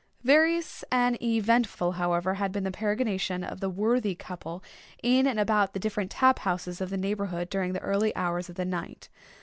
Various and eventful, however, had been the peregrinations of the worthy couple in and about the different tap houses of the neighbourhood during the earlier hours of the night.